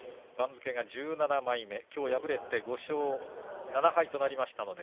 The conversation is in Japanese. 番付が１７枚目、きょう敗れて５勝７敗となりました。